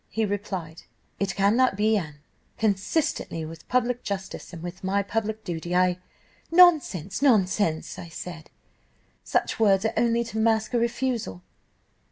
He replied, 'It cannot be, Anne, consistently with public justice, and with my public duty. I ' "'Nonsense, nonsense,' I said, 'such words are only to mask a refusal.